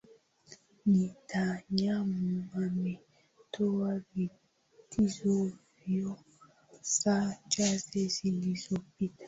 netanyahu ametoa vitisho hivyo saa chache zilizopita